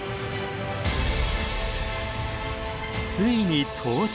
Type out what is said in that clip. ついに到着！